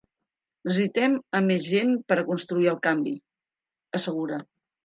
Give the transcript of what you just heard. Necessitem a més gent per a construir el canvi, assegura.